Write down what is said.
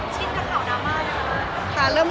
ชินกับข่าวน้ำอ้าดรึไง